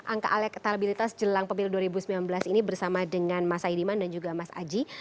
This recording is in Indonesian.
angka elektabilitas jelang pemilu dua ribu sembilan belas ini bersama dengan mas aidiman dan juga mas aji